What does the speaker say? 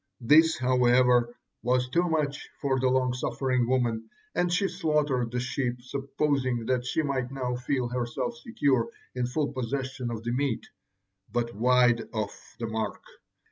This, however, was too much for the long suffering woman, and she slaughtered the sheep, supposing that she might now feel herself secure, in full possession of the meat. But wide of the mark!